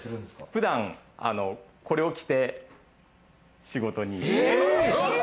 普段、これを着て仕事に。